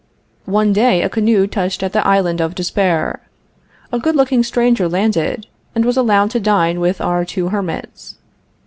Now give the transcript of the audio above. One day a canoe touched at the Island of Despair. A good looking stranger landed, and was allowed to dine with our two hermits.